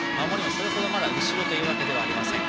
それほど前というわけではありません。